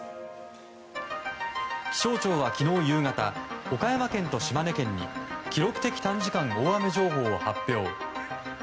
気象庁は昨日夕方岡山県と島根県に記録的短時間大雨情報を発表。